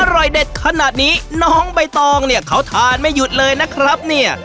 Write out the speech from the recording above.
อร่อยเด็ดขนาดนี้น้องใบตองเนี่ยเขาทานไม่หยุดเลยนะครับเนี่ย